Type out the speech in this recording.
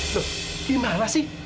loh gimana sih